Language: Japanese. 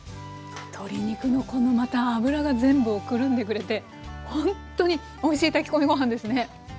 鶏肉のこのまた脂が全部をくるんでくれてほんとにおいしい炊き込みご飯ですね！